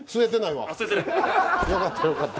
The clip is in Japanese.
よかったよかった。